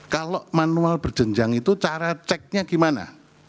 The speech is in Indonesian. kalau manual berjenjang itu cara ceknya gimana